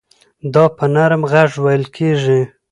دا په نرم غږ وېل کېږي.